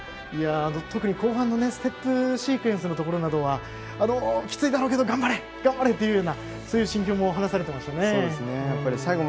特に後半のステップシークエンスのところなどはきついだろうけど頑張れ、頑張れというようなそういう心境も話されていました。